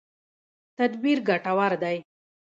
تدبیر ګټور دی.